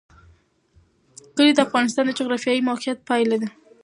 کلي د افغانستان د جغرافیایي موقیعت پایله ده.